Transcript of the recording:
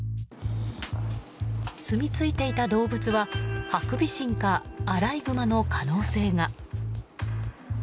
すみついていた動物はハクビシンかアライグマの可能性が。